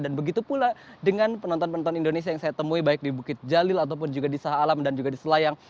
dan begitu pula dengan penonton penonton indonesia yang saya temui baik di bukit jalil ataupun juga di sahalam dan juga di selayang